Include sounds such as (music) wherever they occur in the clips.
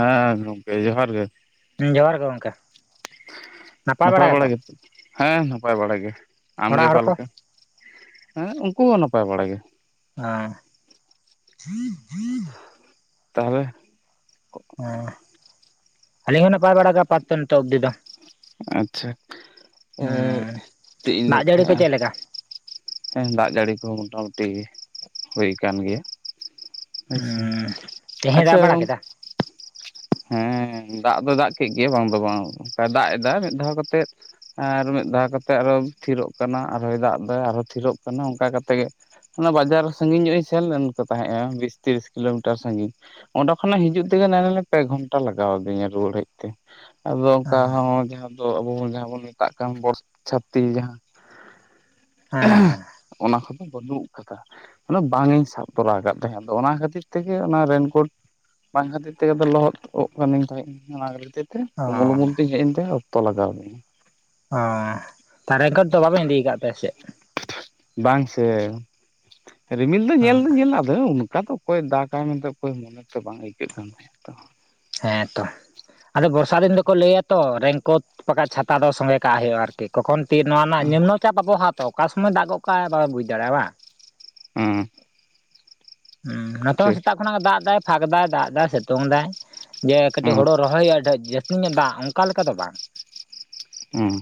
ᱦᱟᱸ ᱜᱚᱝᱠᱮ ᱡᱚᱦᱟᱨ ᱜᱮ ᱦᱮᱸ ᱡᱚᱦᱟᱨ ᱜᱮ ᱜᱚᱝᱠᱮ ᱱᱟᱯᱟᱭ ᱵᱟᱲᱟ ᱜᱮᱛᱚ ᱦᱮᱸ ᱱᱟᱯᱟᱭ ᱵᱟᱲᱟ ᱜᱮ ᱟᱢᱜᱮ ᱚᱲᱟᱜ ᱦᱚᱲ ᱠᱚ ᱚᱠᱟᱞᱮᱠᱟ ᱦᱮᱸ ᱩᱱᱠᱩ ᱦᱚᱸ ᱱᱟᱯᱟᱭ ᱵᱟᱲᱟᱭ ᱜᱮ ᱟ (inaudible) ᱛᱟᱦᱚᱞᱮ ᱦᱮᱸ ᱟᱹᱞᱤᱧ ᱦᱚᱸ ᱱᱟᱯᱟᱭ ᱵᱟᱲᱟ ᱟᱯᱟᱛᱚ ᱱᱤᱛᱚᱜ ᱚᱵᱫᱤ ᱫᱚ ᱟᱪᱪᱷᱟ ᱮ ᱦᱮᱸ ᱪᱮᱫ ᱤᱧ ᱫᱟᱜ ᱞᱟᱹᱭᱮᱫ ᱡᱟᱹᱲᱤ ᱠᱚ ᱛᱟᱦᱮᱫ ᱪᱮᱫ ᱞᱮᱠᱟ ᱦᱮᱸ ᱫᱟᱜ ᱡᱟᱹᱲᱤ ᱠᱚᱦᱚᱸ ᱢᱳᱴᱟᱢᱩᱴᱤ ᱦᱩᱭ ᱟᱱᱟᱱ ᱜᱮᱭᱟ ᱦᱮᱸ ᱛᱮᱦᱮᱧ ᱫᱟᱜ ᱟᱪᱪᱷᱟ ᱵᱟᱲᱟ ᱠᱮᱫᱟ (inaudible) ᱦᱮᱸ ᱫᱟᱜ ᱫᱚ ᱫᱟᱜ ᱠᱮᱫ ᱜᱮᱭᱟ ᱵᱟᱝ ᱫᱚ ᱵᱟᱝ ᱫᱟᱜ ᱮᱫᱟ ᱢᱤᱫ ᱫᱷᱟᱣ ᱠᱟᱛᱮᱫ ᱟᱨ ᱢᱤᱫ ᱫᱷᱟᱣ ᱠᱟᱛᱮᱜ ᱟᱨᱦᱚᱸ ᱛᱷᱤᱨᱚᱜ ᱠᱟᱱᱟ ᱟᱨᱚᱭ ᱫᱟᱜ ᱟᱨᱦᱚᱸ ᱛᱷᱤᱨᱚᱜ ᱠᱟᱱᱟ ᱚᱱᱠᱟ ᱠᱟᱛᱮᱜ ᱜᱮ ᱚᱱᱟ ᱵᱟᱡᱟᱨ ᱥᱟᱺᱜᱤᱧ ᱧᱚᱜ ᱤᱧ ᱥᱮᱱ ᱞᱮᱱ ᱠᱚ ᱛᱟᱦᱮᱸᱜᱼᱟ ᱵᱤᱥ ᱛᱤᱨᱤᱥ ᱠᱤᱞᱳᱢᱤᱴᱟᱨ ᱥᱟᱺᱜᱤᱧ ᱚᱸᱰᱮ ᱠᱷᱚᱱᱟᱜ ᱦᱤᱡᱩᱜ ᱛᱮᱜᱮ ᱱᱚᱜ-ᱚᱭ ᱧᱮᱞ ᱢᱮ ᱯᱮ ᱜᱷᱚᱱᱴᱟ ᱞᱟᱜᱟᱣᱫᱤᱧᱟ ᱨᱩᱣᱟᱹᱲ ᱦᱮᱡ ᱛᱮ, ᱟᱫᱚ ᱚᱱᱠᱟ ᱦᱮᱸ ᱦᱚᱸ ᱡᱟᱦᱟᱸ ᱫᱚ ᱟᱵᱚ ᱵᱚᱱ ᱢᱮᱛᱟᱜ ᱠᱟᱱ ᱵᱚᱨᱪᱷᱟᱛᱤ ᱡᱟᱦᱟᱸ ᱦᱮᱸ ᱦᱮᱸ ᱚᱱᱟ ᱠᱚᱫᱚ ᱵᱟᱹᱱᱩᱜ ᱠᱟᱫᱟ ᱢᱟᱱᱮ, ᱵᱟᱝᱤᱧ ᱥᱟᱵ ᱛᱚᱨᱟᱣ ᱟᱠᱟᱫ ᱛᱟᱦᱮᱸᱫ, ᱟᱫᱚ ᱚᱱᱟ ᱠᱷᱟᱹᱛᱤᱨ ᱛᱮᱜᱮ ᱚᱱᱟ ᱨᱮᱱᱠᱳᱴ ᱵᱟᱝ ᱠᱷᱟᱹᱛᱤᱨ ᱛᱮᱜᱮ ᱫᱚ ᱞᱚᱦᱚᱫ ᱚᱜ ᱠᱟᱱᱤᱧ ᱛᱟᱦᱮᱸᱜ ᱤᱧ ᱚᱱᱟ ᱠᱷᱟᱹᱛᱤᱨ ᱛᱮ ᱚ ᱩᱢᱩᱞ ᱩᱢᱩᱞ ᱛᱤᱧ ᱦᱮᱡ ᱮᱱ ᱛᱮ ᱚᱠᱛᱚ ᱞᱟᱜᱟᱣᱫᱤᱧᱟ᱾ ᱚᱻ ᱛᱟᱦᱮ ᱨᱮᱱᱠᱳᱴ ᱫᱚ ᱵᱟᱵᱮᱱ ᱤᱫᱤ ᱟᱠᱟᱫ ᱛᱟᱦᱮᱸ ᱥᱮ ᱪᱮᱫ? ᱵᱟᱝ ᱥᱮ ᱨᱤᱢᱤᱞ ᱫᱚ ᱧᱮᱞ ᱫᱚᱧ ᱧᱮᱞᱟ ᱟᱫᱚ ᱚᱱᱠᱟ ᱫᱚ᱾ ᱚᱠᱚᱭ ᱫᱟᱜᱟᱭ ᱢᱮᱱᱛᱮ ᱚᱠᱚᱭ ᱢᱚᱱᱮ ᱛᱚ ᱵᱟᱝ ᱟᱹᱭᱠᱟᱹᱜ ᱠᱟᱱ ᱛᱟᱦᱮᱱᱟ ᱛᱚ ᱦᱮᱸᱛᱚ ᱟᱫᱚ ᱵᱚᱨᱥᱟ ᱫᱤᱱ ᱫᱚᱠᱚ ᱞᱟᱹᱭᱟ ᱛᱚ ᱨᱮᱝᱠᱳᱴ ᱵᱟᱠᱟᱡ ᱪᱷᱟᱛᱟ ᱫᱚ ᱥᱚᱸᱜᱮ ᱠᱟᱜ ᱦᱩᱭᱩᱜᱼᱟ ᱟᱨᱠᱤ ᱛᱚᱠᱷᱚᱱ ᱛᱤ ᱱᱚᱣᱟ ᱨᱮᱱᱟᱜ ᱦᱩᱸ ᱱᱤᱢᱱᱚ ᱪᱟᱯ ᱟᱵᱚᱦᱟᱣᱟ ᱛᱚ ᱚᱠᱟ ᱥᱚᱢᱚᱭᱭ ᱫᱟᱜ ᱜᱚᱜ ᱠᱟᱭ ᱵᱟᱵᱚ ᱵᱩᱡᱽ ᱫᱟᱲᱮᱭᱟᱜ-ᱟ ᱵᱟᱝ ᱦᱩᱸ ᱦᱮᱸ ᱱᱤᱛᱚᱝ ᱴᱷᱤᱠ ᱥᱮᱛᱟᱜ ᱠᱷᱚᱱᱟᱜ ᱫᱟᱜ ᱮᱫᱟᱭ ᱯᱷᱟᱸᱠ ᱫᱟᱭ ᱫᱟᱜ ᱮᱫᱟ ᱥᱤᱛᱩᱝ ᱫᱟᱭ᱾ ᱡᱮ ᱠᱟᱹᱴᱤᱡ ᱦᱩᱸ ᱦᱳᱲᱳ ᱨᱚᱦᱚᱭ ᱦᱩᱭᱩᱜᱼᱟ, ᱡᱟᱹᱥᱛᱤ ᱧᱚᱜ ᱫᱟᱜ ᱚᱱᱠᱟ ᱞᱮᱠᱟ ᱫᱚ ᱵᱟᱝ᱾ ᱦᱩᱸ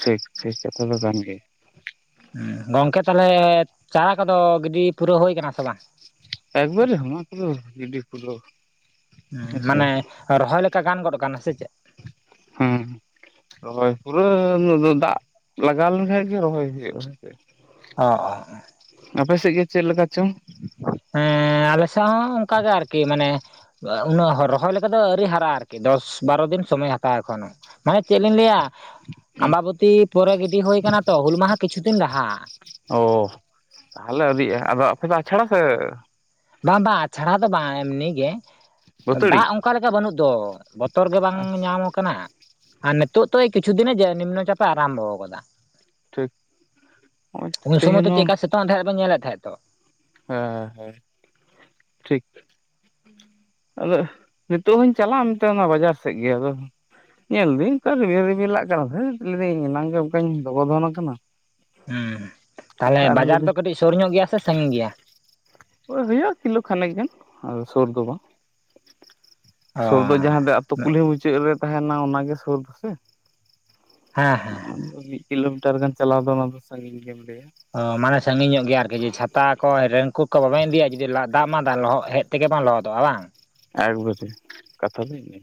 ᱴᱷᱤᱠ ᱴᱷᱤᱠ ᱠᱟᱛᱷᱟ ᱫᱚ ᱠᱟᱱ ᱜᱮ ᱜᱚᱝᱠᱮ ᱛᱟᱦᱚᱞᱮ ᱪᱟᱨᱟ ᱠᱚᱫᱚ ᱜᱤᱰᱤ ᱯᱩᱨᱟᱹᱣ ᱦᱩᱭᱠᱟᱱᱟ ᱥᱮ ᱵᱟᱝ ᱮᱠᱵᱟᱨᱮ ᱚᱱᱟᱠᱚᱫᱚ ᱜᱤᱰᱤ ᱯᱩᱨᱟᱹᱣ ᱦᱮᱸᱥᱮ ᱢᱟᱱᱮ ᱨᱚᱦᱚᱭ ᱞᱮᱠᱟ ᱜᱟᱱ ᱜᱚᱫᱚᱜ ᱠᱟᱱᱟ ᱥᱮ ᱪᱮᱫ ᱦᱮᱸ ᱨᱚᱦᱚᱭ ᱯᱩᱨᱟᱹ ᱩᱱ ᱫᱚ ᱫᱟᱜ ᱞᱟᱜᱟᱣ ᱞᱮᱱᱠᱷᱟᱡ ᱜᱮ ᱨᱚᱦᱚᱭ ᱦᱩᱭᱩᱜᱼᱟ ᱦᱮᱸ ᱪᱮ ᱚ ᱚ ᱟᱯᱮ ᱥᱮᱫ ᱜᱮ ᱪᱮᱫ ᱞᱮᱠᱟ ᱪᱚᱝ ᱟᱞᱮᱥᱮᱫ ᱦᱚᱸ ᱚᱱᱠᱟ ᱜᱮ ᱟᱨᱠᱤ ᱢᱟᱱᱮ ᱩᱱᱟᱹᱜ ᱨᱚᱦᱚᱭ ᱞᱮᱠᱟ ᱫᱚ ᱟᱹᱣᱨᱤ ᱦᱟᱨᱟᱜᱼᱟ ᱾ ᱟᱨᱠᱤ ᱫᱚᱥ ᱵᱟᱨᱚ ᱫᱤᱱ ᱥᱚᱢᱚᱭ ᱦᱟᱛᱟᱣᱼᱟ ᱮᱠᱷᱚᱱᱳ ᱾ ᱢᱟᱱᱮ ᱪᱮᱫ ᱞᱤᱧ ᱞᱟᱹᱭᱟ, ᱦᱩᱸ ᱟᱢᱵᱟᱵᱚᱛᱤ ᱯᱚᱨᱮ ᱜᱤᱰᱤ ᱦᱩᱭᱠᱟᱱᱟ ᱛᱚ, ᱦᱩᱞ ᱢᱟᱦᱟ ᱠᱤᱪᱷᱩ ᱫᱤᱱ ᱞᱟᱦᱟ ᱾ ᱚ ᱛᱟᱦᱚᱞᱮ ᱟᱣᱨᱤᱜᱼᱟ ᱟᱫᱚ ᱟᱯᱮ ᱫᱚ ᱟᱪᱷᱟᱲᱟ ᱥᱮ ᱵᱟᱝ ᱵᱟᱝ, ᱟᱪᱷᱟᱲᱟ ᱫᱚ ᱵᱟᱝ ᱮᱢᱱᱤ ᱜᱮ ᱵᱟᱹᱛᱟᱹᱲᱤ ᱫᱟᱜ ᱚᱱᱠᱟ ᱞᱮᱠᱟ ᱵᱟᱹᱱᱩᱜ ᱫᱚ᱾ ᱵᱚᱛᱚᱨ ᱜᱮ ᱵᱟᱝ ᱧᱟᱢ ᱟᱠᱟᱱᱟ, ᱱᱤᱛᱳᱜ ᱫᱚ ᱠᱤᱪᱷᱩ ᱫᱤᱱᱮ ᱡᱮ ᱱᱤᱢᱱᱚ ᱪᱟᱯᱮ ᱟᱨᱟᱢᱵᱚ ᱟᱠᱟᱫᱟ᱾ ᱴᱷᱤᱠ ᱱᱚᱜᱼᱚᱭ ᱩᱱ ᱥᱚᱢᱚᱭ ᱛᱮᱦᱮᱧ ᱛᱚ ᱦᱚᱸ ᱪᱮᱫᱞᱮᱠᱟ ᱥᱤᱛᱩᱝ ᱮ ᱛᱟᱦᱮᱸᱫ ᱵᱮ ᱧᱮᱞᱮᱫ ᱛᱟᱦᱮᱸᱫ ᱛᱚ᱾ ᱦᱮᱸ ᱦᱳᱭ᱾ ᱴᱷᱤᱠ ᱟᱫᱚ ᱱᱤᱛᱚᱜ ᱦᱚᱧ ᱪᱟᱞᱟᱜᱼᱟ ᱢᱮᱱᱛᱮ ᱚᱱᱟ ᱵᱟᱡᱟᱨ ᱥᱮᱫ ᱜᱮ ᱟᱫᱚ ᱧᱮᱞᱫᱟᱹᱧ ᱚᱠᱟ ᱨᱤᱵᱤ ᱨᱤᱵᱤᱞ ᱞᱟᱜ ᱠᱟᱱᱟ ᱥᱮ ᱫᱷᱟᱹᱴ ᱮᱱᱟᱝ ᱜᱮ ᱚᱱᱠᱟᱧ ᱫᱚᱜᱚ ᱫᱚᱷᱚᱱ ᱟᱠᱟᱱᱟ ᱦᱩᱸ ᱛᱟᱦᱚᱞᱮ ᱟᱨᱦᱚᱸ ᱵᱟᱡᱟᱨ ᱫᱚ ᱞᱟᱹᱭᱫᱟᱹᱧ ᱠᱟᱹᱴᱤᱡ ᱥᱳᱨ ᱧᱚᱜ ᱜᱮᱭᱟ ᱥᱮ ᱥᱟᱺᱜᱤᱧ ᱜᱮᱭᱟ? ᱳᱭ ᱦᱩᱭᱩᱜᱼᱟ ᱠᱤᱞᱳ ᱠᱷᱟᱱᱮᱠ ᱜᱟᱱ ᱟᱫᱚ ᱥᱩᱨ ᱫᱚ ᱵᱟᱝ, ᱚ ᱥᱳᱨ ᱫᱚ ᱡᱟᱦᱟᱸ ᱫᱚ ᱛᱚ ᱠᱩᱞᱦᱤ ᱢᱩᱪᱟᱹᱫ ᱨᱮ ᱛᱟᱸᱦᱮᱱᱟ ᱚᱱᱟᱜᱮ ᱥᱳᱨ ᱫᱚᱥᱮ? ᱦᱮᱸ ᱦᱮᱸ ᱠᱤᱞᱳᱢᱤᱴᱟᱨ ᱜᱟᱱ ᱪᱟᱞᱟᱣ ᱫᱚ ᱚᱱᱟ ᱫᱚ ᱥᱟᱺᱜᱤᱧ ᱜᱮᱢ ᱞᱟᱹᱭᱟ᱾ ᱚ ᱢᱟᱱᱮ ᱥᱟᱺᱜᱤᱧ ᱧᱚᱜ ᱜᱮᱭᱟ ᱟᱨᱠᱤ, ᱡᱮ ᱪᱷᱟᱛᱟ ᱠᱚ ᱨᱮᱱᱝᱠᱚᱴ ᱠᱚ ᱵᱟᱵᱮ ᱤᱫᱤᱭᱟ ᱡᱩᱫᱤ ᱞᱟᱫ ᱫᱟᱜ ᱢᱟ ᱞᱚᱦᱚᱫ ᱦᱮᱡ ᱛᱮᱜᱮ ᱞᱚᱦᱚᱫᱚᱜᱼᱟ ᱵᱟᱝ ᱮᱠ ᱵᱟ. ᱛᱮ ᱠᱟᱛᱷᱟ ᱫᱚ ᱤᱱᱟ.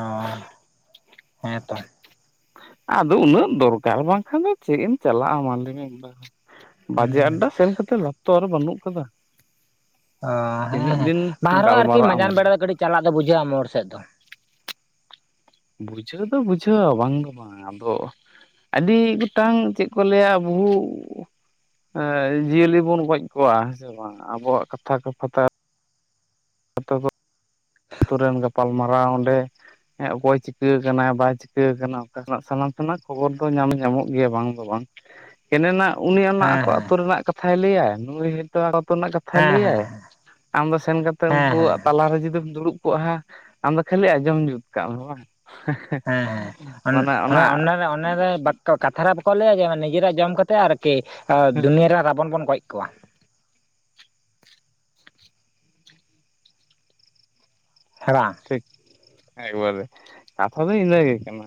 ᱚᱸ ᱻ (inaudible) ᱦᱮᱸ ᱛᱚ ᱟᱫᱚ ᱩᱱᱟᱹᱜ ᱫᱚᱨᱠᱟᱨ ᱵᱟᱝᱠᱷᱟᱱ ᱫᱚ ᱪᱮᱫ ᱮᱢ ᱪᱟᱞᱟᱜᱼᱟ ᱢᱟ ᱞᱟᱹᱭ ᱵᱤᱱ ᱾ ᱵᱟᱡᱮ ᱦᱩᱸ ᱟᱰᱟ ᱥᱮᱱ ᱠᱟᱛᱮᱫ ᱞᱟᱯ ᱛᱚ ᱟᱨᱚ ᱵᱟᱹᱱᱩᱜ ᱠᱟᱫᱟ ᱚ ᱛᱤᱱᱟᱹᱜ ᱦᱮᱸ ᱦᱮᱸ ᱫᱤᱱ ᱵᱟᱝᱨᱮᱦᱚᱸ ᱟᱨᱠᱤ ᱜᱟᱞᱢᱟᱨᱟᱜ ᱟᱢ ᱢᱟᱡᱟᱱ ᱟᱫᱚ ᱵᱮᱲᱟ ᱫᱚ ᱠᱟᱹᱴᱤᱡ ᱪᱟᱞᱟᱜ ᱫᱚ ᱵᱩᱡᱷᱟᱹᱜᱼᱟ ᱢᱳᱲ ᱥᱮᱫ ᱫᱚ ᱵᱩᱡᱷᱟᱹᱣ ᱫᱚ ᱵᱩᱡᱷᱟᱹᱣᱟ ᱵᱟᱝ ᱫᱚ ᱵᱟᱝ ᱟᱫᱚ ᱟᱹᱰᱤ ᱜᱚᱴᱟᱝ ᱪᱮᱫ ᱠᱚ ᱞᱟᱹᱭᱟ ᱵᱩᱦᱩ ᱦᱚᱭ ᱡᱤᱭᱟᱹᱞᱤ ᱵᱚᱱ ᱜᱚᱡ ᱠᱚᱣᱟ ᱦᱮᱸ ᱥᱮ ᱵᱟᱝ ᱟᱵᱚᱣᱟᱜ ᱠᱟᱛᱷᱟ ᱠᱟᱯᱷᱛᱟ (unintelligible) ᱟᱛᱩ ᱨᱮᱱ ᱜᱟᱯᱟᱞᱢᱟᱨᱟᱣᱟ ᱚᱸᱰᱮ ᱦᱮᱸ ᱚᱠᱚᱭ ᱪᱤᱠᱟᱹ ᱟᱠᱟᱱᱟ ᱵᱟᱭ ᱪᱤᱠᱟᱹ ᱟᱠᱟᱱᱟ ᱚᱱᱠᱟᱱᱟᱜ ᱥᱟᱱᱟᱢ ᱥᱮᱱᱟᱜ ᱠᱷᱚᱵᱚᱨ ᱫᱚ ᱧᱟᱢ ᱧᱟᱢᱚᱜ ᱜᱮᱭᱟ ᱵᱟᱝ ᱫᱚ ᱵᱟᱝ᱾ ᱠᱮᱱᱮ ᱱᱟᱜ ᱩᱱᱤ ᱚᱱᱟ ᱦᱮᱸ ᱟᱠᱚ ᱦᱮᱸ ᱟᱛᱳ ᱨᱮᱱᱟᱜ ᱠᱟᱛᱷᱟᱭ ᱞᱟᱹᱭᱭᱟ ᱱᱩᱭ ᱟᱛᱳ ᱱᱟ ᱠᱟᱛ ᱼᱼ ᱛᱷᱟᱭ ᱦᱮᱸ ᱦᱮᱸ ᱞᱟᱹᱭᱟᱭ ᱟᱢ ᱫᱚ ᱥᱮᱱ ᱠᱟᱛᱮ ᱦᱮᱸ ᱦᱮᱸ ᱩᱱᱠᱩᱣᱟᱜ ᱛᱟᱞᱟᱨᱮ ᱡᱩᱫᱤᱢ ᱫᱩᱲᱩᱵ ᱼᱼ ᱠᱚᱜ ᱦᱟᱸ ᱟᱢᱫᱚ ᱠᱷᱟᱹᱞᱤ ᱟᱸᱡᱚᱢ ᱡᱩᱛ ᱠᱟᱜ ᱢᱮ ᱵᱟᱝ ᱦᱮᱸ ᱦᱮᱸ ᱚᱱ ᱚᱱᱟ ᱚᱱᱮᱨᱮ ᱚᱱᱮᱨᱮ ᱵᱟᱴ ᱼᱼ ᱛᱚ ᱠᱟᱛᱷᱟ ᱨᱮ ᱵᱟᱠᱚ ᱞᱟᱹᱭᱟ ᱡᱮ ᱱᱤᱡᱮᱨᱟᱜ ᱡᱚᱢ ᱠᱟᱛᱮ ᱟᱨᱠᱤ ᱫᱩᱱᱭᱟᱹᱨᱮ ᱨᱟᱵᱚᱱ ᱵᱚᱱ ᱜᱚᱡ ᱠᱚᱣᱟ ᱦᱮᱸ ᱵᱟᱝ? ᱴᱷᱤᱠ ᱮᱠᱵᱟᱨᱮ ᱠᱟᱛᱷᱟ ᱫᱚ ᱤᱱᱟᱹᱜᱮ ᱠᱟᱱᱟ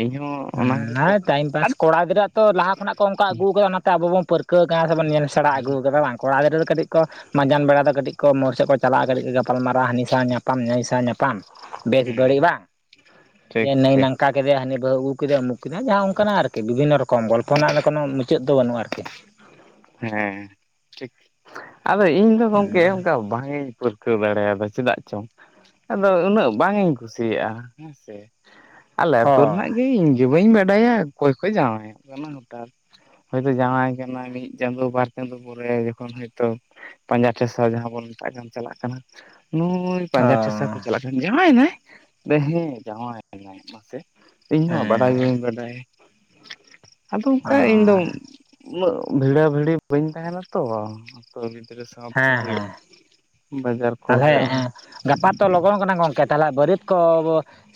ᱤᱧ ᱦᱚᱸ ᱦᱩᱸ ᱱᱟᱭ ᱴᱟᱭᱤᱢ ᱯᱟᱥ ᱠᱚᱲᱟ ᱜᱤᱫᱽᱨᱟᱹᱟᱜ ᱛᱚ ᱞᱟᱦᱟᱚ ᱠᱷᱚᱱᱟᱜ ᱠᱚ ᱚᱱᱠᱟ ᱟᱹᱜᱩ ᱠᱟᱫᱟ ᱚᱱᱟᱛᱮ ᱟᱵᱚ ᱵᱚᱱ ᱯᱟᱹᱨᱠᱟᱹ ᱼᱼ ᱠᱟᱹ ᱠᱟ ᱥᱮᱵᱚᱱ ᱧᱮᱞ ᱥᱮᱬᱟ ᱟᱹᱜᱩ ᱠᱟᱫᱟ ᱵᱟᱝ ᱠᱚᱲᱟ ᱜᱤᱫᱽᱨᱟᱹ ᱫᱚ ᱠᱟᱹᱴᱤᱡ ᱠᱚ ᱢᱟᱸᱡᱟᱱ ᱵᱮᱲᱟ ᱫᱚ ᱠᱟᱹᱴᱤᱡ ᱠᱚ ᱢᱳᱲ ᱥᱮᱫ ᱠᱚ ᱪᱟᱞᱟᱜᱼᱟ ᱠᱟᱹᱴᱤᱡ ᱠᱚ ᱜᱟᱯᱟᱞᱢᱟᱨᱟᱣ ᱦᱟᱹᱱᱤ ᱥᱟᱶ ᱧᱟᱯᱟᱢ ᱥᱟᱶ ᱧᱟᱯᱟᱢ ᱵᱟᱝ ᱵᱮᱥ ᱦᱮᱸ ᱵᱟᱹᱲᱤ ᱵᱟᱝ ᱡᱮ ᱴᱷᱤᱠ ᱱᱟᱭ ᱴᱷᱤᱠ ᱱᱚᱝᱠᱟ ᱠᱮᱫᱮ ᱦᱟᱹᱱᱤ ᱵᱟᱹᱦᱩ ᱟᱜᱩ ᱼᱼ ᱠᱮᱫᱮ ᱩᱢᱩᱠ ᱠᱮᱫᱮ ᱡᱟᱦᱟᱸ ᱚᱱᱠᱟᱱᱟᱜ ᱟᱨᱠᱤ ᱵᱤᱷᱤᱱᱱᱚ ᱨᱚᱠᱚᱢ ᱜᱚᱞᱯᱚ ᱨᱮᱱᱟᱜ ᱫᱚ ᱠᱳᱱᱚ ᱢᱩᱪᱟᱹᱫ ᱫᱚ ᱵᱟᱹᱱᱩᱜ ᱟᱨᱠᱤ ᱦᱮᱸ ᱴᱷᱤᱠ ᱟᱫᱚ ᱤᱧ ᱫᱚ ᱦᱩᱸ ᱜᱚᱝᱠᱮ ᱚᱱᱠᱟ ᱵᱟᱝᱤᱧ ᱯᱟᱹᱨ ᱼᱼ ᱠᱟᱹᱣ ᱵᱟᱲᱟ ᱭᱟᱫᱟ ᱪᱮᱫᱟᱜ ᱪᱚᱝ (inaudible) ᱟᱫᱚ ᱩᱱᱟᱹᱜ ᱵᱟᱝ ᱤᱧ ᱠᱩᱥᱤᱭᱟᱜᱼᱟ ᱦᱮᱸ ᱥᱮ᱾ ᱟᱞᱮ ᱟᱹᱛᱩ ᱚ ᱨᱮᱱᱟᱜ ᱜᱮ ᱤᱧ ᱜᱤ ᱵᱟᱹᱧ ᱵᱟᱰᱟᱭᱟ ᱚᱠᱚᱭ ᱠᱚ ᱡᱟᱶᱟᱭᱚᱜ ᱠᱟᱱᱟ ᱦᱚᱳᱴᱟᱛ ᱦᱚᱭᱛᱳ ᱡᱟᱶᱟᱭ ᱠᱟᱱᱟ ᱢᱤᱫ ᱪᱟᱸᱫᱳ ᱵᱟᱨ ᱪᱟᱸᱫᱳ ᱯᱚᱨᱮ ᱡᱚᱠᱷᱚᱱ ᱦᱚᱭᱛᱚ ᱯᱟᱸᱡᱟ ᱴᱷᱮᱥᱟ ᱡᱟᱦᱟᱸ ᱵᱚᱱ ᱢᱮᱛᱟᱜ ᱠᱟᱱ ᱪᱟᱞᱟᱜ ᱠᱟᱱᱟ ᱱᱩᱭ ᱼᱼ ᱚ ᱯᱟᱸᱡᱟ ᱴᱷᱮᱥᱟ ᱠᱚ ᱪᱟᱞᱟᱜ ᱠᱷᱟᱱ ᱡᱟᱶᱟᱭᱮᱱᱟᱭ ᱦᱮᱸ ᱡᱟᱶᱟᱭᱮᱱᱟᱭ ᱢᱟᱥᱮ ᱤᱧᱦᱚ ᱵᱟᱰᱟᱭ ᱜᱮ ᱦᱮᱸ ᱵᱟᱹᱧ ᱵᱟᱰᱟᱭ ᱟᱫᱚ ᱚᱱᱠᱟ ᱤᱧ ᱫᱚ ᱚ ᱩᱱᱟᱹᱜ ᱵᱷᱤᱲᱟ ᱵᱷᱤᱲᱤ ᱵᱟᱹᱧ ᱛᱟᱦᱮᱱᱟ ᱛᱚ ᱟᱛᱳ ᱜᱤᱫᱽᱨᱟᱹ ᱥᱟᱶᱛᱮ ᱦᱮᱸ ᱦᱩᱭᱩᱜ ᱦᱮᱸ ᱵᱟᱡᱟᱨ ᱛᱟᱦᱚᱞᱮ ᱠᱚᱨᱮ ᱦᱚᱸ ᱜᱟᱯᱟ ᱛᱚ ᱞᱚᱜᱚᱱ ᱠᱟᱱᱟ ᱜᱚᱝᱠᱮ ᱛᱟᱦᱟᱞᱮ ᱵᱟᱹᱨᱭᱟᱹᱛ ᱠᱚ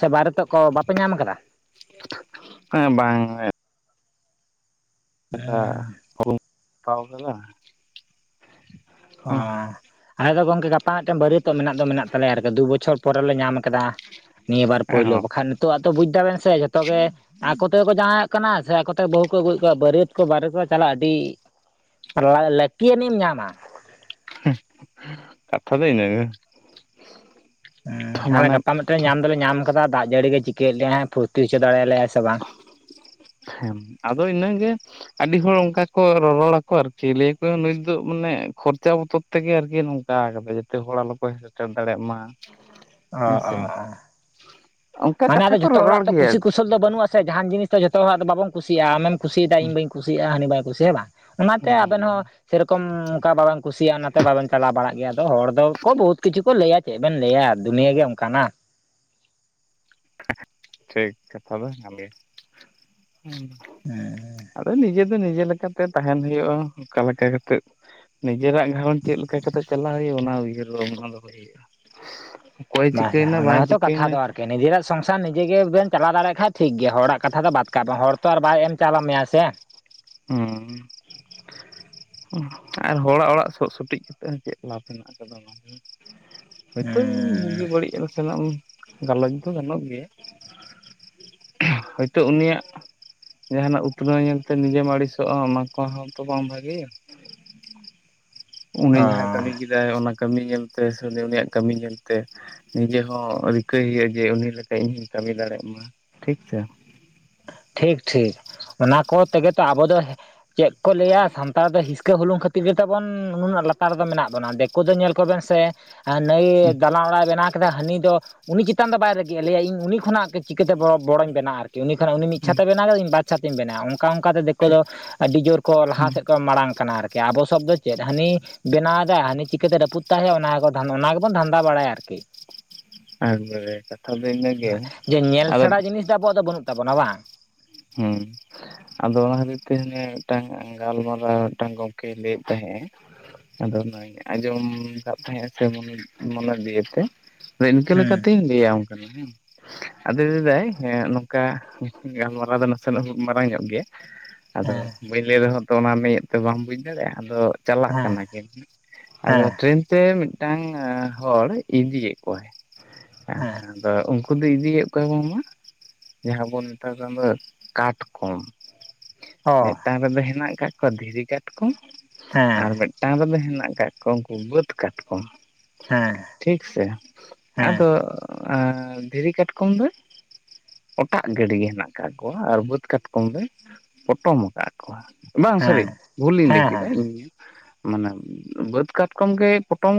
ᱥᱮ ᱵᱟᱨᱮᱛᱚᱜ ᱠᱚ ᱵᱟᱯᱮ ᱧᱟᱢ ᱟᱠᱟᱫᱟ? ᱮᱸ ᱵᱟᱝ ᱟᱫᱚ (inaudible) ᱛᱟᱣ ᱠᱟᱫᱟ ᱚᱻ ᱦᱚᱸ ᱟᱞᱮ ᱫᱚ ᱜᱚᱝᱠᱮ ᱜᱟᱯᱟ ᱢᱤᱫᱴᱮᱱ ᱵᱟᱹᱨᱤᱭᱟᱹᱛᱚᱜ ᱢᱮᱱᱟᱜ ᱫᱚ ᱢᱮᱱᱟᱜ ᱛᱟᱞᱮᱭᱟ ᱟᱨ ᱠᱤ ᱫᱩ ᱵᱚᱪᱷᱚᱨ ᱯᱚᱨᱮ ᱞᱮ ᱧᱟᱢ ᱟᱠᱟᱫᱟ᱾ ᱱᱤᱭᱟᱹ ᱵᱟᱨ ᱯᱳᱭᱞᱳ ᱦᱚᱸ ᱵᱟᱠᱷᱟᱱ ᱱᱤᱛᱜᱼᱟᱜ ᱛᱚ ᱵᱩᱡ ᱫᱟᱵᱮᱱ ᱥᱮ ᱡᱷᱚᱛᱚ ᱜᱮ ᱼᱼ ᱟᱠᱚᱛᱮᱠᱚ ᱡᱟᱶᱟᱭᱚᱜ ᱠᱟᱱᱟ ᱥᱮ ᱟᱠᱚᱛᱮ ᱵᱟᱹᱦᱩ ᱠᱚ ᱟᱹᱜᱩᱭᱮᱫ ᱠᱚᱣᱟ ᱵᱟᱹᱨᱭᱟᱹᱛ ᱠᱚ ᱵᱟᱨᱮ ᱠᱚ ᱪᱟᱞᱟᱜ ᱟᱹᱰᱤ ᱞᱟᱹᱠᱤ ᱭᱟᱱᱤᱢ ᱧᱟᱢ-ᱟ ᱦᱮᱸ ᱠᱟᱛᱷᱟ ᱫᱚ ᱤᱱᱟᱹ ᱜᱮ ᱦᱮᱸ ᱛᱟᱦᱚᱞᱮ ᱜᱟᱯᱟ ᱢᱤᱫᱴᱟᱱ ᱧᱟᱢ ᱫᱚᱞᱮ ᱧᱟᱢ ᱟᱠᱟᱫᱟ ᱫᱟᱜ ᱡᱟᱹᱲᱤ ᱜᱮ ᱪᱤᱠᱟᱹᱭᱮᱫ ᱞᱮᱭᱟᱭ ᱯᱷᱩᱨᱛᱤ ᱦᱚᱪᱚ ᱫᱟᱲᱮ ᱭᱟᱞᱮ ᱭᱟᱭ ᱥᱮ ᱵᱟᱝ ᱦᱮᱸ ᱟᱫᱚ ᱤᱱᱟᱹᱜᱮ ᱟᱹᱰᱤ ᱦᱚᱲ ᱚᱱᱠᱟ ᱠᱚ ᱨᱚᱨᱚᱲᱟᱠᱚ ᱟᱨ ᱪᱮᱫ ᱞᱟᱹᱭᱟᱠᱚ ᱱᱮᱥ ᱫᱚ ᱢᱟᱱᱮ ᱠᱷᱚᱨᱪᱟ ᱵᱚᱛᱚᱨ ᱼᱼ ᱛᱮᱜᱮ ᱟᱨᱠᱤ ᱱᱚᱝᱠᱟ ᱠᱟᱫᱟᱭ ᱡᱟᱛᱮ ᱦᱚᱲ ᱟᱞᱚᱠᱚ ᱦᱮᱡ ᱥᱮᱴᱮᱨ ᱫᱟᱲᱮᱭᱟᱜ ᱢᱟ ᱚ ᱚ ᱦᱮᱸᱥᱮ ᱚᱸ ᱚᱱᱠᱟ ᱢᱟᱱᱮ ᱟᱫᱚ ᱠᱟᱛᱷᱟ ᱠᱚ ᱡᱷᱚᱛᱚ ᱦᱚᱲᱟᱜ ᱨᱚᱨᱚᱲ ᱛᱚ ᱜᱮᱭᱟ ᱠᱩᱥᱤ ᱟᱨᱠᱤ ᱠᱩᱥᱚᱞ ᱫᱚ ᱵᱟᱹ ᱼᱼ ᱵᱟᱹᱱᱩᱜᱼᱟ ᱥᱮ ᱡᱟᱦᱟᱱ ᱡᱤᱱᱤᱥ ᱫᱚ ᱡᱚᱛᱚ ᱦᱚᱲᱟᱜ ᱫᱚ ᱵᱟᱵᱚᱱ ᱠᱩᱤᱭᱟᱜᱼᱟ᱾ ᱟᱢ ᱮᱢ ᱠᱩᱥᱤ ᱭᱟᱫᱟ ᱤᱧ ᱵᱟᱹᱧ ᱠᱩᱤ ᱭᱟᱜᱼᱟ ᱦᱟᱹᱱᱤ ᱵᱟᱭ ᱠᱩᱥᱤᱭᱟᱜᱼᱟ ᱦᱮᱸ ᱵᱟᱝ? ᱚᱱᱟᱛᱮ ᱟᱵᱮᱱ ᱦᱚᱸ ᱥᱮᱨᱚᱠᱚᱢ ᱚᱱᱠᱟ ᱵᱟ ᱼᱼ ᱠᱩᱥᱤᱭᱟᱜᱼᱟ ᱚᱱᱟᱛᱮ ᱵᱟᱵᱮᱱ ᱪᱟᱞᱟᱣ ᱵᱟᱲᱟᱜ ᱜᱮᱭᱟ ᱟᱫᱚ ᱦᱚᱲ ᱫᱚᱠᱚ ᱵᱚᱦᱩᱛ ᱠᱤᱪᱷᱩ ᱠᱚ ᱞᱟᱹᱭᱟ ᱪᱮᱫ ᱵᱮᱱ ᱞᱟᱹᱭᱟ ᱫᱩᱱᱭᱟᱹᱜ ᱜᱮ ᱚᱱᱠᱟᱱᱟ ᱴᱷᱤᱠ ᱠᱟᱛᱷᱟ ᱫᱚ ᱠᱟᱱᱜᱮ ᱦᱮᱸ ᱟᱫᱚ ᱱᱤᱡᱮ ᱫᱚ ᱱᱤᱡᱮ ᱞᱮᱠᱟᱛᱮ ᱛᱟᱦᱮᱱ ᱦᱩᱭᱩᱜᱼᱟ ᱚᱠᱟ ᱞᱮᱠᱟ ᱠᱟᱛᱮᱜ ᱱᱤᱡᱮᱨᱟᱜ ᱜᱷᱟᱨᱚᱸᱡᱽ ᱪᱮᱫ ᱞᱮᱠᱟ ᱠᱟᱛᱮᱜ ᱪᱟᱞᱟᱣ ᱦᱩᱭᱩᱜᱼᱟ ᱚᱱᱟ ᱩᱭᱦᱟᱹᱨ ᱵᱷᱟᱵᱱᱟ ᱫᱚᱦᱚᱭ ᱦᱩᱭᱩᱜᱼᱟ ᱚᱠᱚᱭ (unintelligible) ᱪᱤᱠᱟᱹᱭᱮᱱᱟ ᱚᱱᱟ ᱵᱟᱭ ᱦᱚᱸ ᱛᱚ ᱠᱟᱛᱷᱟ ᱪᱤᱠᱟᱹᱭᱮᱱᱟ ᱫᱚ ᱟᱨᱠᱤ ᱱᱤᱡᱮᱨᱟᱜ ᱥᱚᱝᱥᱟᱨ ᱱᱤᱡᱮᱜ ᱜᱮᱵᱮᱱ ᱪᱟᱞᱟᱣ ᱫᱟᱲᱮᱭᱟᱜ ᱠᱷᱟᱡ ᱴᱷᱤᱠ ᱜᱮᱭᱟ ᱦᱚᱲᱟᱜ ᱠᱟᱛᱷᱟ ᱫᱚ ᱵᱟᱛ ᱠᱟᱜᱼᱟ ᱦᱚᱲ ᱛᱚ ᱟᱨ ᱵᱟᱭ ᱮᱢ ᱪᱟᱞᱟᱣ ᱢᱮᱭᱟ ᱥᱮ ᱦᱩᱸ ᱟᱨ ᱦᱚᱲᱟᱜ ᱚᱲᱟᱜ ᱥᱚᱜ ᱥᱩᱴᱤᱡ ᱠᱟᱛᱮ ᱦᱚᱸ ᱪᱮᱫ ᱞᱟᱵᱷᱽ ᱢᱮᱱᱟᱜ ᱟᱠᱟᱫᱟ ᱦᱳᱭᱛᱚ ᱦᱩᱸ ᱵᱩᱜᱤ ᱵᱟᱹᱲᱤᱡ ᱟᱨᱚ (unintelligible) ᱜᱟᱞᱚᱪ ᱫᱚ ᱜᱟᱱᱚᱜ ᱜᱮᱭᱟ ᱦᱚᱳᱭᱛᱳ ᱩᱱᱤᱭᱟᱜ ᱡᱟᱦᱟᱱᱟᱜ ᱩᱛᱱᱟᱹᱣ ᱧᱮᱞᱛᱮ ᱱᱤᱡᱮ ᱢᱟ ᱟᱹᱲᱤᱥᱚᱜ ᱦᱚᱸ (unintelligible) ᱛᱚ ᱵᱟᱝ ᱵᱷᱟᱜᱮᱭᱟ ᱩᱱᱤ ᱚ ᱡᱟᱦᱟᱸᱭ ᱠᱟᱹᱢᱤ ᱠᱮᱫᱟᱭ ᱚᱱᱟ ᱠᱟᱹᱢᱤ ᱧᱮᱞᱛᱮ ᱥᱮ ᱩᱱᱤ ᱩᱱᱤᱭᱟᱜ ᱠᱟᱹᱢᱤ ᱧᱮᱞᱛᱮ ᱱᱤᱡᱮ ᱦᱚᱸ ᱨᱤᱠᱟᱹᱭ ᱦᱩᱭᱩᱜᱼᱟ ᱡᱮ ᱩᱱᱤ ᱞᱮᱠᱟ ᱤᱧ ᱦᱚᱧ ᱠᱟᱹᱢᱤ ᱫᱟᱲᱮᱭᱟᱜ ᱢᱟ ᱴᱷᱤᱠ ᱴᱷᱤᱠ ᱴᱷᱤᱠ ᱚᱱᱟ ᱠᱚ ᱛᱮᱜᱮ ᱛᱚ ᱟᱵᱚ ᱫᱚ ᱪᱮᱫ ᱠᱚ ᱞᱟᱹᱭᱻᱟ ᱥᱟᱱᱛᱟᱲ ᱫᱚ ᱦᱤᱥᱠᱟᱹ ᱦᱩᱞᱩᱝ ᱠᱷᱟᱹᱛᱤᱨ (unintelligible) ᱛᱟᱵᱚᱱ ᱱᱩᱱᱟᱹᱜ ᱞᱟᱛᱟᱨ ᱨᱮ ᱫᱚ ᱢᱮᱱᱟᱜ ᱵᱚᱱᱟ ᱫᱤᱠᱩ ᱫᱚ ᱧᱮᱞ ᱠᱚᱵᱮᱱ ᱥᱮ ᱱᱟᱹᱭ ᱫᱟᱞᱟᱝ ᱚᱲᱟᱜ ᱵᱮᱱᱟᱣ ᱦᱟᱹᱱᱤ ᱫᱚ ᱩᱱᱤ ᱪᱮᱛᱟᱱ ᱫᱚ ᱵᱟᱭ ᱨᱟᱹᱜᱤᱜ ᱞᱟᱹᱭ ᱟᱭ ᱤᱧ ᱩᱱᱤ ᱠᱷᱚᱱᱟᱜ ᱪᱤᱠᱟᱹᱛᱮ ᱵᱚᱲᱚᱧ ᱵᱮᱱᱟᱜᱼᱟ ᱟᱨᱠᱤ ᱩᱱᱤ ᱛᱟᱦᱚᱞᱮ ᱩᱱᱤ ᱢᱤᱫ ᱪᱷᱟᱛᱮᱭ ᱵᱮᱱᱟᱣᱫᱟ ᱤᱧ ᱵᱟᱨ ᱪᱷᱟᱛᱮᱧ ᱵᱮᱱᱟᱣᱟ ᱚᱱᱠᱟ ᱚᱱᱠᱟᱛᱮ ᱫᱤᱠᱳ ᱴᱷᱤᱠ ᱫᱚ ᱟᱹᱰᱤ ᱡᱳᱨ ᱠᱚ ᱞᱟᱦᱟ ᱥᱮᱫ ᱠᱚ ᱢᱟᱲᱟᱝ ᱠᱟᱱᱟ ᱟᱨᱠᱤ (unintelligible) ᱟᱵᱚ ᱥᱚᱵ ᱫᱚ ᱪᱮᱫ ᱦᱟᱱᱤ ᱵᱮᱱᱟᱣ ᱫᱟᱭ ᱦᱟᱱᱤ ᱪᱤᱠᱟᱹᱛᱮ ᱨᱟᱹᱯᱩᱫ ᱛᱟᱭ ᱦᱩᱭᱩᱜᱼᱟ ᱚᱱᱟ ᱜᱮ ᱚᱱᱟ ᱜᱮᱵᱚᱱ ᱫᱷᱟᱸᱱᱫᱟ ᱵᱟᱲᱟᱭᱟ ᱟᱨᱠᱤ (unintelligible) ᱠᱟᱛᱷᱟ ᱫᱚ ᱤᱱᱟᱹ ᱜᱮ ᱡᱮ ᱧᱮᱞ ᱟᱫᱚ ᱥᱮᱬᱟ ᱡᱤᱱᱤᱥ ᱫᱚ ᱟᱵᱚᱣᱟᱜ ᱫᱚ ᱵᱟᱹᱱᱩᱜ ᱛᱟᱵᱚᱱᱟ ᱵᱟᱝ ᱦᱩᱸ ᱟᱫᱚ ᱚᱱᱟ ᱠᱷᱟᱹᱛᱤᱨ ᱛᱮ (unintelligible) ᱟᱫᱚ ᱚᱱᱟ ᱠᱷᱟᱹᱛᱤᱨ ᱛᱮ ᱩᱱᱤ ᱢᱤᱫ ᱴᱟᱝ ᱜᱟᱞ ᱢᱟᱨᱟᱣ ᱢᱤᱫ ᱴᱟᱝ ᱜᱚᱝᱠᱮ ᱞᱟᱹᱭᱮᱫ ᱛᱟᱦᱮᱸᱫ ᱟᱭ ᱟᱫᱚ ᱚᱱᱟᱧ ᱟᱸᱡᱚᱢ ᱠᱟᱜ ᱛᱟᱦᱮᱸᱫᱼᱟ ᱥᱮ ᱢᱚᱱᱮ ᱫᱤᱭᱮ ᱛᱮ ᱟᱫᱚ ᱤᱱᱠᱟᱹ ᱦᱩᱸ ᱞᱮᱠᱟᱛᱤᱧ ᱞᱟᱹᱭ ᱟᱢ ᱠᱟᱱᱟ ᱦᱮᱸ ᱟᱫᱚ ᱞᱟᱹᱭ ᱫᱟᱭ ᱦᱮᱸ ᱱᱚᱝᱠᱟ (unintelligible) ᱟᱫᱚ ᱱᱟᱥᱮ ᱱᱟᱜ ᱢᱟᱨᱟᱝ ᱧᱚᱜ ᱜᱮᱭᱟ ᱟᱫᱚ ᱦᱮᱸ ᱵᱟᱹᱧ ᱞᱟᱹᱭ ᱨᱮᱦᱚᱸ ᱛᱚ ᱚᱱᱟ ᱢᱤᱫ ᱛᱮ ᱵᱟᱢ ᱵᱩᱡᱽ ᱫᱟᱲᱮᱭᱟᱜᱼᱟ ᱟᱫᱚ ᱪᱟᱞᱟᱜ ᱦᱮᱸ ᱠᱟᱱᱟ ᱠᱤᱱ ᱟᱫᱚ ᱦᱮᱸ ᱴᱨᱮᱱ ᱛᱮ ᱢᱤᱫᱴᱟᱝ ᱦᱚᱲ ᱤᱫᱤᱭᱮᱫ ᱠᱚᱣᱟᱭ ᱦᱮᱸ (unintelligible) ᱟᱫᱚ ᱩᱱᱠᱩ ᱫᱚ ᱤᱫᱤᱭᱮᱫ ᱠᱚᱣᱟ ᱡᱟᱦᱟᱸ ᱵᱚᱱ ᱢᱮᱛᱟᱜ ᱠᱟᱱ ᱫᱚ ᱠᱟᱴᱠᱚᱢ ᱚ ᱢᱤᱫᱴᱟᱝ ᱨᱮᱫᱚ ᱦᱮᱱᱟᱜ ᱠᱟᱜ ᱠᱚᱣᱟ ᱫᱷᱤᱨᱤ ᱠᱟᱴᱠᱚᱢ ᱟᱨ ᱦᱮᱸ ᱢᱤᱫᱴᱟᱱ ᱨᱮᱫᱚ ᱦᱮᱱᱟᱜ ᱠᱟᱜ ᱠᱚᱣᱟ ᱩᱱᱠᱩ ᱵᱟᱹᱫᱽ ᱠᱟᱴᱠᱚᱢ ᱦᱮᱸ ᱴᱷᱤᱠ ᱥᱮ ᱦᱮᱸ ᱟᱫᱚ ᱫᱷᱤᱨᱤ ᱠᱟᱴᱠᱚᱢ ᱫᱚ ᱚᱴᱟᱜ ᱜᱟᱹᱰᱤ ᱦᱮᱱᱟᱜ ᱟᱠᱟᱟᱜ ᱠᱚᱣᱟ ᱟᱨ ᱵᱟᱹᱫᱽ ᱠᱟᱴᱠᱚᱢ ᱞᱮ ᱯᱚᱴᱚᱢ ᱟᱠᱟᱫ ᱠᱚᱣᱟ ᱵᱟᱝ ᱥᱚᱹᱨᱤ ᱦᱮᱸ ᱵᱷᱩᱞ ᱤᱧ ᱞᱟᱹᱭ ᱦᱮᱸ ᱠᱮᱫᱟ ᱦᱮᱸ ᱤᱧ ᱜᱮ ᱢᱟᱱᱮ ᱵᱟᱹᱫᱽ ᱠᱟᱴᱠᱚᱢ ᱜᱮ ᱯᱚᱴᱚᱢ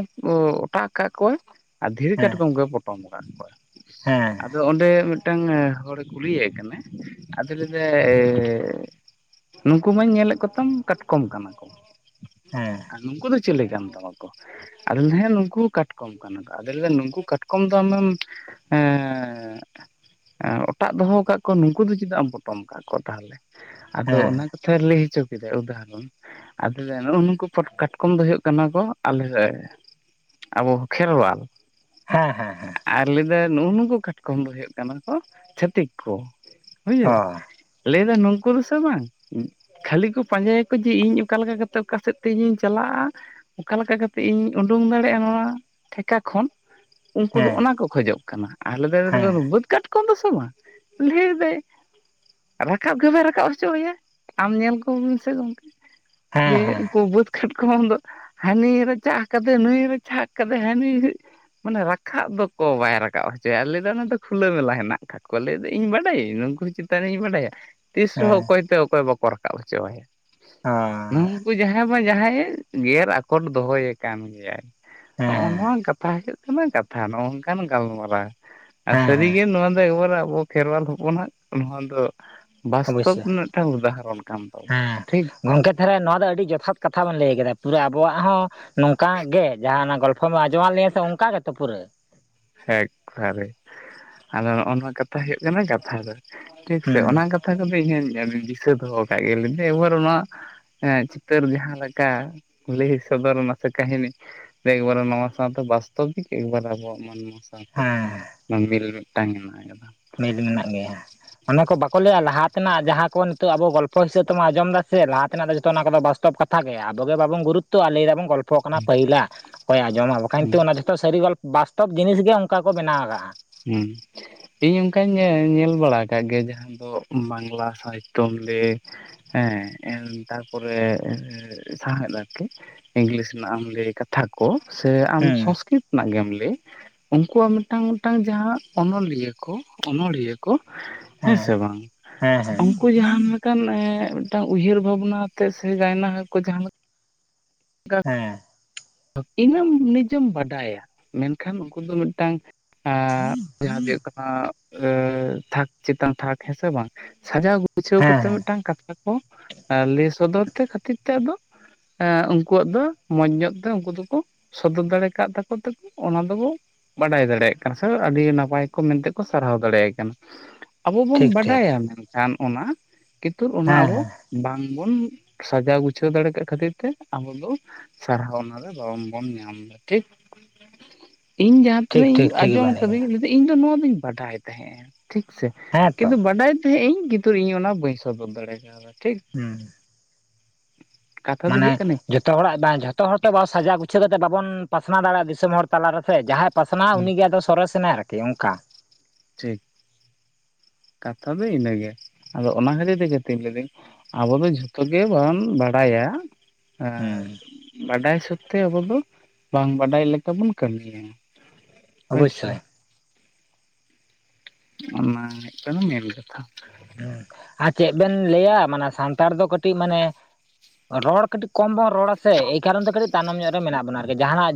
ᱚᱴᱟᱜ ᱟᱠᱟᱫ ᱠᱚᱣᱟᱭ ᱟᱨ ᱫᱷᱤᱨᱤ ᱦᱮᱸ ᱠᱟᱴᱠᱚᱢ ᱜᱮ ᱯᱚᱴᱚᱢ ᱟᱠᱟᱫ ᱠᱚᱣᱟ ᱦᱮᱸ ᱟᱫᱚ ᱚᱸᱰᱮ ᱢᱤᱫᱴᱟᱝ ᱦᱚᱲᱮ ᱠᱩᱞᱤᱭᱮ ᱠᱟᱱᱟ ᱟᱫᱚ ᱞᱟᱹᱭ ᱫᱟᱭ ᱱᱩᱸᱠᱩ ᱢᱟᱧ ᱧᱮᱞᱮᱫ ᱠᱚᱛᱟᱢ ᱠᱟᱴᱠᱚᱢ ᱠᱟᱱᱟ ᱠᱚ᱾ ᱦᱮᱸ ᱱᱩᱝᱠᱩ ᱫᱚ ᱪᱤᱞᱮ ᱠᱟᱱ ᱛᱟᱢᱟ ᱠᱚ? ᱟᱫᱚ ᱦᱮᱸ ᱱᱩᱠᱩ ᱦᱚᱸ ᱠᱟᱴᱠᱚᱢ ᱠᱟᱱᱟ ᱟᱫ ᱱᱩᱠᱩ ᱠᱟᱴᱠᱚᱢ ᱫᱚ ᱟᱢᱮᱢ ᱦᱮᱸ ᱚᱴᱟᱜ ᱫᱚᱦᱚ ᱠᱟᱜ ᱱᱩᱠᱩ ᱫᱚ ᱪᱮᱫᱟᱜ ᱮᱢ ᱯᱚᱴᱚᱢ ᱟᱠᱟᱫ ᱠᱚᱣᱟ ᱛᱟᱦᱚᱞᱮ ᱟᱫᱚ ᱦᱮᱸ ᱚᱱᱟ ᱠᱟᱛᱷᱟ ᱞᱟᱹᱭ ᱦᱚᱪᱚ ᱠᱮᱫᱟᱭ ᱩᱫᱷᱟ ᱨᱚᱱ ᱟᱫᱚ ᱞᱟᱹᱭ ᱫᱟ ᱱᱩᱠᱩ ᱠᱟᱴᱠᱚᱢ ᱫᱚ ᱦᱩᱭᱩᱜ ᱠᱟᱱᱟ ᱠᱚ ᱟᱞᱮᱥᱮᱡ ᱟᱵᱚ ᱠᱷᱮᱨᱣᱟ ᱦᱮᱸ ᱦᱮᱸ ᱦᱮᱸ ᱟᱨ ᱞᱟᱹᱭ ᱫᱟ ᱱᱩᱜ-ᱩ ᱱᱩᱠᱩ ᱠᱟᱴᱠᱚᱢ ᱫᱚ ᱦᱳᱭᱳᱜ ᱠᱟᱱᱟ ᱠᱚ ᱪᱷᱟᱹᱛᱤᱠ ᱠᱚ ᱵᱩᱡᱟᱹ ᱚ ᱞᱟᱹᱭ ᱫᱟᱭ ᱱᱩᱝᱠᱩ ᱫᱚ ᱥᱮ ᱵᱟᱝ ᱠᱷᱟᱹᱞᱤ ᱠᱚ ᱯᱟᱸᱡᱟᱭᱟᱠᱚ ᱡᱮ ᱤᱧ ᱚᱠᱟ ᱞᱮᱠᱟ ᱠᱟᱛᱮᱫ ᱚᱠᱟ ᱥᱮᱫ ᱛᱮ ᱤᱧᱤᱧ ᱪᱟᱞᱟᱜᱼᱟ ᱚᱠᱟ ᱞᱮᱠᱟ ᱠᱟᱛᱮᱜ ᱤᱧ ᱳᱰᱳᱝ ᱫᱟᱲᱮᱭᱟᱜᱼᱟ ᱱᱚᱣᱟ ᱴᱷᱮᱠᱟ ᱠᱷᱚᱱ ᱩᱝᱠᱩ ᱫᱚ ᱦᱮᱸ ᱚᱱᱟ ᱠᱚ ᱠᱷᱳᱡᱚᱜ ᱠᱟᱱᱟ ᱟᱞᱮ ᱦᱮᱸ (unintelligible) ᱵᱟᱹᱛ ᱠᱟᱴᱠᱚᱢ ᱫᱚ ᱥᱚᱢᱟᱱ᱾ ᱰᱷᱮᱹᱨ ᱫᱟᱹᱭ ᱨᱟᱠᱟᱵ ᱜᱮᱵᱟᱭ ᱨᱟᱠᱟᱵ ᱦᱚᱪᱚ ᱟᱭᱟ ᱟᱢ ᱧᱮᱞ ᱠᱚᱢ ᱥᱮ ᱜᱚᱝᱠᱮ, ᱦᱮᱸ ᱡᱮ ᱦᱮᱸ ᱦᱮᱸ ᱩᱝᱠᱩ ᱵᱟᱹᱛ᱾ ᱠᱟᱴᱠᱚᱢ ᱫᱚ ᱦᱟᱱᱤ ᱮ ᱨᱟᱪᱟᱜ ᱠᱟᱫᱮ ᱱᱩᱭ ᱮ ᱨᱟᱪᱟᱜ ᱠᱟᱫᱮ ᱦᱟᱹᱱᱤ ᱢᱟᱱᱮ ᱨᱟᱠᱷᱟᱠ ᱫᱚᱠᱚ ᱵᱟᱭ ᱨᱟᱠᱟᱵ ᱦᱚᱪᱚᱭᱟ ᱟᱞᱮ ᱫᱚ ᱚᱱᱟ ᱫᱚ ᱠᱷᱩᱞᱟᱹ ᱢᱮᱞᱟ ᱦᱮᱱᱟᱜ ᱠᱷᱟᱠ ᱠᱚᱣᱟ ᱞᱟᱹᱭ ᱫᱟᱹᱧ ᱾ ᱤᱧ ᱵᱟᱰᱟᱭᱟᱹᱧ ᱱᱩᱝᱠᱩ ᱪᱮᱛᱟᱱᱤᱧ ᱤᱧ ᱵᱟᱰᱟᱭᱟ ᱛᱤᱥ ᱨᱮᱦᱚᱸ ᱚᱠᱚᱭᱛᱮ ᱚᱠᱚᱭ ᱵᱟᱠᱚ ᱨᱟᱠᱟᱵ ᱦᱚᱪᱚ ᱟᱭᱟ ᱾ (inaudible) ᱟ ᱱᱩᱝᱠᱩ ᱡᱟᱦᱟᱸᱭ ᱵᱟᱝ ᱡᱟᱦᱟᱸᱭᱮ ᱜᱮᱨ ᱟᱠᱚᱴ ᱫᱚᱦᱚᱭᱮ ᱠᱟᱱ ᱜᱮᱭᱟᱭ ᱦᱮᱸ ᱱᱚᱜᱼᱱᱚᱣᱟ ᱠᱟᱛ ᱛᱷᱟ ᱦᱩᱭᱩᱜ ᱠᱟᱱᱟ ᱠᱟᱛᱷᱟ ᱱᱚᱜᱝᱠᱟᱱ ᱜᱟᱞᱢᱟᱨᱟᱣ ᱦᱮᱸ ᱦᱮᱸ ᱥᱟᱹᱨᱤᱜᱮ ᱱᱚᱣᱟ ᱫᱚ ᱮᱠᱵᱟᱨ ᱟᱵᱚ ᱠᱷᱮᱨᱣᱟᱞ ᱦᱚᱯᱚᱱᱟᱜ, ᱱᱚᱣᱟ ᱫᱚ ᱵᱟᱥᱛᱚᱵ ᱚᱵᱚᱥᱥᱳᱭ ᱢᱤᱫᱴᱟᱝ ᱩᱫᱟᱦᱚᱨᱚᱱ ᱠᱟᱱ ᱛᱟᱵᱚᱱᱟ ᱦᱮᱸ ᱴᱷᱤᱠ᱾ ᱜᱚᱝᱠᱮ ᱛᱟᱦᱞᱮ ᱱᱚᱣᱟ ᱫᱚ ᱟᱹᱰᱤ ᱡᱚᱛᱷᱟᱛ ᱠᱟᱛᱷᱟ ᱵᱚᱱ ᱞᱟᱹᱭ ᱠᱮᱫᱫᱟ ᱯᱩᱨᱟᱹ ᱟᱵᱚᱣᱟᱜ ᱦᱚᱸ ᱱᱚᱝᱠᱟ ᱜᱮ ᱡᱟᱦᱟᱱᱟᱜ ᱜᱚᱞᱯᱚ ᱯᱷᱚᱢ ᱟᱸᱡᱚᱢᱟᱜ ᱞᱤᱧᱟ ᱥᱮ ᱚᱝᱠᱟ ᱜᱮᱛᱚ ᱯᱩᱨᱟᱹ ᱮᱠᱵᱟᱨᱮ ᱟᱫᱚ ᱱᱚᱜᱼᱚ ᱱᱚᱣᱟ ᱠᱟᱛᱷᱟ ᱦᱩᱭᱩᱜ ᱠᱟᱱᱟ ᱜᱟᱛᱷᱟ ᱫᱚ ᱴᱷᱤᱠ ᱥᱮ ᱦᱩᱸ ᱚᱱᱟ ᱠᱟᱛᱷᱟ ᱠᱟᱛᱷᱟ ᱠᱚᱫᱚ ᱤᱧᱦᱚᱧ ᱫᱤᱥᱟᱹ ᱫᱚᱦᱚ ᱟᱠᱟᱜ ᱜᱮᱭᱟ ᱞᱟᱹᱭᱫᱟᱹᱧ ᱮᱵᱟᱨ ᱱᱚᱣᱟ ᱦᱮᱸ ᱪᱤᱛᱟᱹᱨ ᱡᱟᱦᱟᱸ ᱞᱮᱠᱟ ᱞᱟᱹᱭ ᱥᱚᱫᱚᱨᱱᱟ ᱥᱮ ᱠᱟᱹᱦᱤᱱᱤ ᱮᱠᱵᱟᱨᱮ ᱱᱚᱣᱟ ᱥᱟᱶᱛᱮ ᱵᱟᱥᱛᱚᱵᱤᱠ ᱮᱵᱟᱨᱮ ᱟᱵᱚᱣᱟᱜ ᱢᱟᱸᱱᱢᱤ ᱦᱮᱸ (unintelligible) ᱢᱤᱞ ᱢᱤᱫᱴᱟᱝ ᱦᱮᱱᱟᱜ ᱟᱠᱟᱫᱟ᱾ ᱢᱤᱞ ᱢᱮᱱᱟᱜ ᱜᱮᱭᱟ᱾ ᱚᱱᱟ ᱠᱚ ᱵᱟᱠᱚ ᱞᱟᱹᱭᱟ ᱞᱟᱦᱟ ᱛᱮᱱᱟᱜ ᱡᱟᱦᱟᱸ ᱠᱚ ᱱᱤᱛᱚᱜ ᱟᱵᱚ ᱜᱚᱞᱯᱷᱚ ᱦᱤᱥᱟᱹᱵ ᱛᱮᱵᱚᱱ ᱟᱸᱡᱚᱢ ᱫᱟ ᱥᱮ ᱞᱟᱦᱟ ᱛᱮᱱᱟᱜ ᱫᱚ ᱡᱚᱛᱚ ᱚᱱᱟ ᱠᱚᱫᱚ ᱵᱟᱥᱛᱚᱵ ᱠᱟᱛ ᱛᱷᱟᱜᱮ ᱟᱵᱚ ᱜᱮ ᱵᱟᱵᱚᱱ ᱜᱩᱨᱩᱛᱛᱚᱜᱼᱟ ᱞᱟᱹᱭ ᱫᱟᱵᱚᱱ ᱜᱚᱞ ᱯᱚᱜ ᱠᱟᱱᱟ ᱯᱟᱹᱦᱤᱞᱟᱜ ᱚᱠᱚᱭ ᱟᱸᱡᱚᱢᱟ ᱵᱟᱠᱷᱟᱡ ᱱᱤᱛᱜ ᱚᱱᱟ ᱡᱚᱛᱚ ᱥᱟᱹᱨᱤ ᱜᱚᱞᱚ ᱵᱟᱥᱛᱚᱵ ᱡᱤᱱᱤᱥ ᱜᱮ ᱚᱱᱠᱟ ᱠᱚ ᱵᱮᱱᱟᱣ ᱟᱠᱟᱜᱼᱟ᱾ ᱦᱩᱸ ᱤᱧ ᱚᱱᱠᱟᱧ ᱧᱮ-ᱧᱮᱞ ᱵᱟᱲᱟ ᱟᱠᱟᱫ ᱜᱮᱭᱟ ᱡᱟᱦᱟᱸ ᱫᱚ ᱵᱟᱝᱞᱟ ᱥᱟᱦᱤᱛᱛᱚ ᱞᱮ ᱦᱮᱸ ᱛᱟᱨ ᱯᱚᱨᱮ ᱮ ᱥᱟᱦᱮᱣᱫ ᱟᱨᱠᱤ ᱤᱝᱞᱤᱥ ᱱᱟᱜ ᱮᱢ ᱞᱟᱹᱭ ᱠᱟᱛ ᱛᱷᱟᱠᱚ ᱥᱮ ᱟᱢ ᱦᱩᱸ ᱥᱚᱝᱥᱠᱨᱤᱛ ᱨᱮᱱᱟᱜ ᱜᱮᱢ ᱞᱮ ᱠᱚᱣᱟᱜ ᱢᱤᱫᱴᱟᱝ ᱢᱤᱫᱴᱟᱝ ᱡᱟᱦᱟᱸ ᱚᱱᱚᱞᱤᱭᱟᱹ ᱠᱚ ᱚᱱᱚᱲᱦᱤᱭᱟᱹ ᱠᱚ ᱦᱮᱸ ᱥᱮ ᱵᱟᱝ ᱦᱮᱸ ᱩᱝᱠ ᱦᱮᱸ ᱠᱩ ᱡᱟᱦᱟᱸᱱ ᱞᱮᱠᱟᱱ ᱮ ᱢᱤᱫᱴᱟᱝ ᱩᱭᱦᱟᱹᱨ ᱵᱷᱟᱵᱽᱱᱟ ᱟᱛᱮᱛ ᱥᱮ ᱜᱟᱭᱱᱟ ᱦᱚ ᱠᱚ ᱡᱟᱦᱟᱸ ᱞᱮᱠ ᱦᱮᱸ ᱦᱟᱹᱯ ᱤᱧ ᱡᱚᱢ ᱱᱤᱡᱚᱢ ᱵᱟᱰᱟᱭᱟ ᱢᱮᱱᱠᱷᱟᱱ ᱩᱱᱠᱩ ᱫᱚ ᱢᱤᱫᱴᱟᱝ ᱟᱻ ᱡᱟᱦᱟᱸ ᱫᱚ (unintelligible) ᱟ ᱟᱹ ᱛᱷᱟᱠ ᱪᱮᱛᱟᱱ ᱛᱷᱟᱠ ᱦᱮᱸᱥᱮ ᱵᱟᱝ? ᱥᱟᱡᱟᱣ ᱜᱩᱪᱷᱟᱹᱣ ᱦᱮᱸ ᱠᱟᱛᱮ ᱢᱤᱫ ᱦᱮᱸ ᱢᱤᱫᱴᱟᱝ ᱠᱟᱛᱷᱟ ᱠᱚ ᱞᱟᱹᱭ ᱮ ᱥᱚᱫᱚᱨ ᱛᱮ ᱠᱷᱟᱹᱛᱤᱨ ᱛᱮ ᱟᱫᱚ ᱟ ᱩᱝᱠᱩᱣᱟᱜ ᱫᱚ ᱢᱚᱸᱡᱽ ᱧᱚᱜ ᱛᱚ ᱩᱝᱠᱩ ᱫᱚᱠᱚ ᱥᱚᱫᱚᱨ ᱫᱟᱲᱮ ᱠᱟᱜ ᱛᱟᱠᱚ ᱛᱮᱠᱩ ᱚᱱᱟ ᱫᱚᱵᱚ ᱵᱟᱰᱟᱭ ᱫᱟᱲᱮᱭᱟᱜ ᱠᱟᱱᱟ ᱥᱮ ᱟᱹᱰᱤ ᱱᱟᱯᱟᱭ ᱠᱚ ᱢᱮᱱᱛᱮ ᱠᱚ ᱥᱟᱨᱦᱟᱣ ᱫᱟᱲᱮᱭᱟᱭ ᱠᱟᱱᱟ ᱾ ᱟᱵᱚ ᱵᱚᱱ ᱴᱷᱤᱠ ᱴᱷᱤᱠ ᱵᱟᱰᱟᱭᱟ ᱢᱮᱱᱠᱷᱟᱱ ᱚᱱᱟ ᱠᱤᱛᱩᱨ ᱚᱱᱟ ᱦᱮᱸ ᱟᱵᱚ ᱦᱮᱸ ᱵᱟᱝᱵᱚᱱ ᱥᱟᱡᱟᱣ ᱜᱩᱪᱷᱟᱹᱣ ᱫᱟᱲᱮ ᱠᱟᱜ ᱠᱷᱟᱹᱛᱤᱨ ᱛᱮ ᱟᱵᱚ ᱫᱚ ᱥᱟᱨᱦᱟᱣᱱᱟ ᱟᱫᱚ ᱨᱚᱝ ᱵᱚᱱ ᱧᱟᱢ ᱮᱫᱟ. ᱴᱷᱤᱠ ᱤᱧ ᱡᱟᱦᱟᱸ ᱴᱷᱤᱠ ᱛᱤᱱᱟᱹᱜ ᱤᱧ ᱴᱷᱤᱠ ᱴᱷᱤᱠ ᱟᱸᱡᱚᱢ ᱜᱮᱵᱮᱱ ᱞᱟᱹᱭ ᱟᱠᱟᱫᱟᱹᱧ ᱠᱮᱫᱟ ᱤᱧ ᱫᱚ ᱱᱚᱣᱟ ᱫᱚᱧ ᱵᱟᱰᱟᱭ ᱛᱟᱦᱮᱸᱼᱟ ᱴᱷᱤᱠ ᱥᱮ ᱦᱮᱸ ᱛᱚ ᱠᱤᱱᱛᱩ ᱵᱟᱰᱟᱭ (unintelligible) ᱤᱧ ᱜᱤᱱᱛᱩ ᱤᱧ ᱚᱱᱟ ᱵᱟᱹᱧ ᱥᱚᱫᱚᱨ ᱫᱟᱲᱮ ᱠᱟᱣᱫᱟ ᱴᱷᱤᱠ ᱦᱩᱸ ᱠᱟᱛᱷᱟ ᱫᱚ ᱢᱟᱱᱮ ᱦᱩᱭᱩᱜ ᱠᱟᱱᱟ ᱡᱚᱛ ᱛᱚ ᱦᱚᱲᱟᱜ ᱵᱟᱝ ᱡᱷᱚᱛᱚ ᱦᱚᱲ ᱛᱮ ᱵᱟ ᱥᱟᱡᱟᱣ ᱜᱩᱪᱷᱟᱹᱣ ᱠᱟᱛᱮ ᱵᱟᱵᱚᱱ ᱯᱟᱥᱱᱟᱣ ᱫᱟᱲᱮᱭᱟᱜᱼᱟ ᱫᱤᱥᱚᱢ ᱦᱚᱲ ᱛᱟᱞᱟᱨᱮᱥᱮ ᱡᱟᱦᱟᱸ ᱯᱟᱥᱱᱟᱜᱼᱟ ᱦᱩᱸ ᱩᱱᱤᱜᱮ ᱟᱫᱚ ᱥᱚᱨᱮᱥᱮ ᱱᱟᱭ ᱟᱨᱠᱤ ᱚᱱᱠᱟ᱾ ᱴᱷᱤᱠ ᱠᱟᱛᱷᱟ ᱫᱚ ᱤᱱᱟᱹᱜᱮ ᱟᱫᱚ ᱚᱱᱟ ᱠᱷᱟᱹᱛᱤᱨ ᱛᱮᱜᱮ ᱛᱮᱧ ᱞᱮᱫᱟᱹᱧ ᱟᱵᱚ ᱫᱚ ᱡᱷᱚᱛᱚ ᱜᱮ ᱵᱚᱱ ᱵᱟᱰᱟᱭᱟ ᱟᱨ ᱦᱩᱸ ᱵᱟᱰᱟᱭ ᱥᱟᱹᱛ ᱛᱮ ᱟᱵᱚ ᱫᱚ ᱵᱟᱝ ᱵᱟᱰᱟᱭ ᱞᱮᱠᱟ ᱵᱚᱱ ᱠᱟᱹᱢᱤᱭᱟ ᱦᱳᱭ ᱥᱮ ᱚᱵᱚᱥᱚᱭ ᱚᱱᱟ ᱦᱩᱭᱩᱜ ᱠᱟᱱᱟ ᱢᱮᱱ ᱠᱟᱛᱷᱟ ᱦᱮᱸ ᱟᱨ ᱪᱮᱫ ᱵᱮᱱ ᱞᱟᱹᱭᱟ ᱢᱟᱱᱮ ᱥᱟᱱᱛᱟᱲ ᱫᱚ ᱠᱟᱹᱴᱤᱡ ᱢᱟᱱᱮ ᱨᱚᱲ ᱠᱟᱹᱴᱤᱡ ᱠᱚᱢ ᱵᱚᱱ ᱨᱚᱲᱟ ᱥᱮ ᱮᱭ ᱠᱟᱨᱚᱱ ᱛᱮ ᱠᱟᱹᱴᱤᱡ ᱛᱟᱭᱱᱚᱢ ᱧᱚᱜ ᱨᱮ ᱢᱮᱱᱟᱜ ᱵᱚᱱᱟ ᱟᱨᱠᱤ ᱡᱟᱦᱟᱱᱟᱜ